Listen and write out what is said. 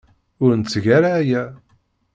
Ur netteg ara aya.